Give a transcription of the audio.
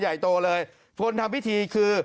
ใหญ่โตเลยคนทำพิธีคือ